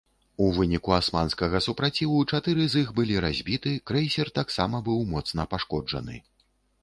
У выніку асманскага супраціву чатыры з іх былі разбіты, крэйсер таксама быў моцна пашкоджаны.